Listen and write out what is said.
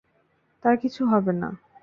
তার কিছু হবে না।